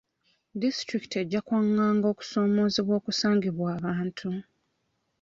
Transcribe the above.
Disitulikiti ejja kwanganga okusoomoozebwa okusangibwa abantu.